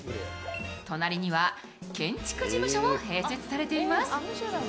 隣には建築事務所も併設されています。